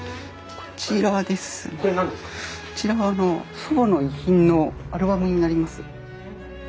こちらは祖母の遺品のアルバムになります。